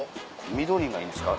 緑がいいんですか？